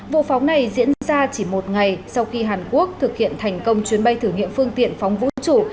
vụ phóng này diễn ra chỉ một ngày sau khi hàn quốc thực hiện thành công chuyến bay thử nghiệm phương tiện phóng vũ trụ